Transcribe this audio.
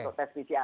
untuk tes pcr